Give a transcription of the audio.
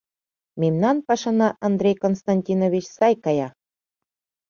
Мемнан пашана, Андрей Константинович, сай кая.